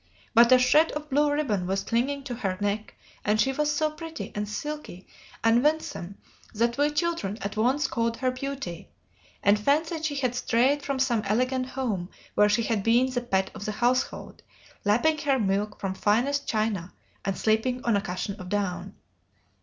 But a shred of blue ribbon was clinging to her neck, and she was so pretty, and silky, and winsome that we children at once called her Beauty, and fancied she had strayed from some elegant home where she had been the pet of the household, lapping her milk from finest china and sleeping on a cushion of down.